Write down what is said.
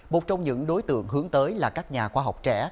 một trong những đối tượng hướng tới là các nhà khoa học trẻ